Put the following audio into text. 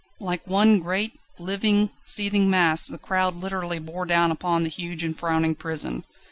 Like one great, living, seething mass the crowd literally bore down upon the huge and frowning prison.